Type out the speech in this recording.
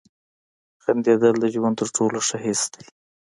• خندېدل د ژوند تر ټولو ښه حس دی.